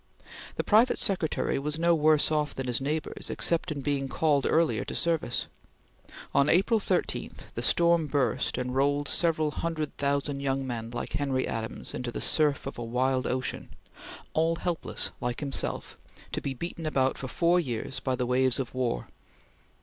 The private secretary was no worse off than his neighbors except in being called earlier into service. On April 13 the storm burst and rolled several hundred thousand young men like Henry Adams into the surf of a wild ocean, all helpless like himself, to be beaten about for four years by the waves of war.